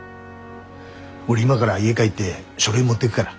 俺今から家帰って書類持ってぐから。